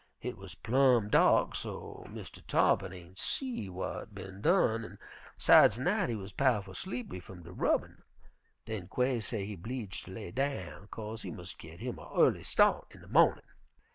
Hit wuz plumb dark, so't Mistah Tarr'pin ain' see w'at bin done, an' sidesen dat he wuz pow'ful sleepy fum de rubbin'. Den Quail say he 'bleeged ter lay down 'kase he mus' git him a early start in de mawnin'.